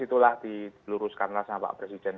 itulah diluruskan lah sama pak presiden